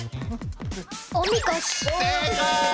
正解！